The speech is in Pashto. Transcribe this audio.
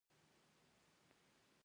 د بالامرګ کلی موقعیت